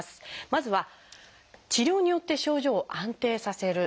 まずは治療によって症状を安定させる。